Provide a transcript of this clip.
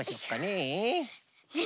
え